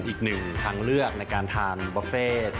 อีกหนึ่งทางเลือกในการทานบุฟเฟ่